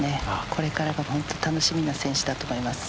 これから本当に楽しみな選手だと思います。